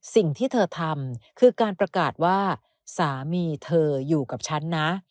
สิ่งที่เธอทำคือการประกาศว่าสามีเธออยู่กับฉันนะ